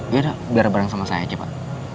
ya udah biar bareng sama saya aja pak